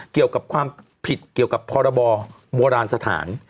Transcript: เกี่ยวกับความผิดเกี่ยวกับพรบโบราณสถาน